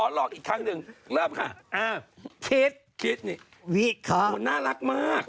หุน่ารักมาก